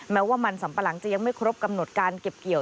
แม้ว่ามันสัมปะหลังจะยังไม่ครบกำหนดการเก็บเกี่ยว